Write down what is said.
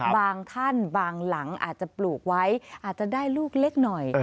บางท่านบางหลังอาจจะปลูกไว้อาจจะได้ลูกเล็กหน่อย